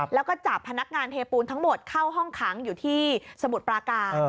แล้วก็จับพนักงานเทปูนทั้งหมดเข้าห้องขังอยู่ที่สมุทรปราการ